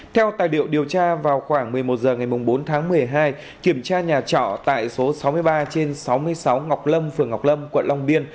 theo tài liệu điều tra vào khoảng một mươi một h ngày bốn tháng một mươi hai kiểm tra nhà trọ tại số sáu mươi ba trên sáu mươi sáu ngọc lâm phường ngọc lâm quận long biên